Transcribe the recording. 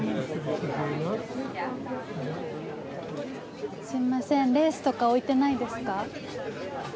すいませんレースとか置いてないですか？